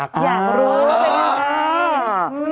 อยากรู้